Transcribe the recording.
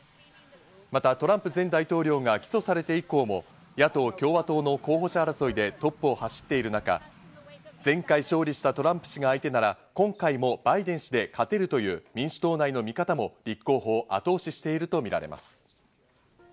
またトランプ前大統領が起訴されて以降も野党・共和党の候補者争いでトップを走っている中、前回勝利したトランプ氏が相手なら、今回もバイデン氏で勝てるという民主党内の見方も立候補を後押ししているとみられます。